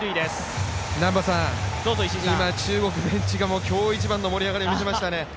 今、中国ベンチが今日一番の盛り上がりを見せましたね。